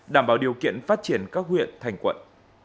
đảm bảo điều kiện phát triển các huyện thành quận